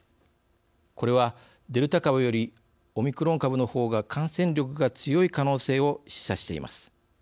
これは、デルタ株よりオミクロン株のほうが感染力が強い可能性を示唆しています。